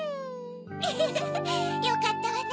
ウフフフよかったわね